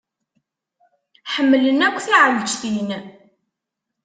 Ḥemmlen akk tiɛleǧtin.